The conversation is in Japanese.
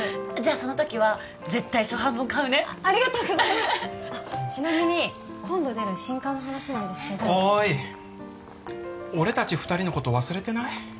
その時は絶対初版本買うねありがとうございますちなみに今度出る新刊の話なんですけどおい俺達二人のこと忘れてない？